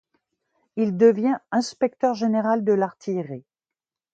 Il devient inspecteur général de l’artillerie.